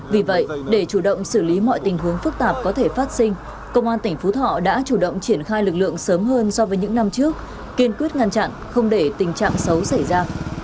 vì vậy để chủ động xử lý mọi tình huống phức tạp có thể phát sinh công an tỉnh phú thọ đã chủ động triển khai lực lượng sớm hơn so với những năm trước kiên quyết ngăn chặn không để tình trạng xấu xảy ra